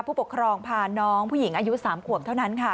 ผู้ปกครองพาน้องผู้หญิงอายุ๓ขวบเท่านั้นค่ะ